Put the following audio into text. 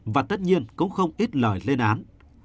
và tất nhiên cũng không ít lời lên án